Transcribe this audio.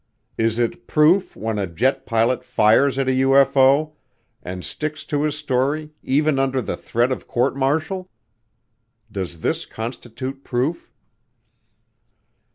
Is it proof when a jet pilot fires at a UFO and sticks to his story even under the threat of court martial? Does this constitute proof?